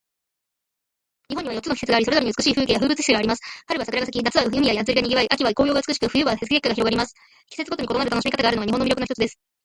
日本には四つの季節があり、それぞれに美しい風景や風物詩があります。春は桜が咲き、夏は海や祭りが賑わい、秋は紅葉が美しく、冬は雪景色が広がります。季節ごとに異なる楽しみ方があるのが、日本の魅力の一つです。